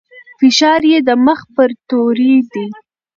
فشار يې د مخ پر توري دی.